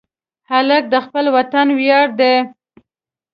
هلک د خپل وطن ویاړ دی.